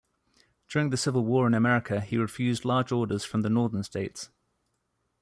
During the civil war in America he refused large orders from the northern states.